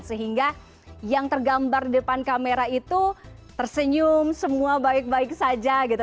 sehingga yang tergambar di depan kamera itu tersenyum semua baik baik saja gitu